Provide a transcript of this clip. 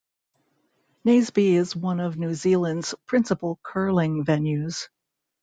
Naseby is one of New Zealand's principal curling venues.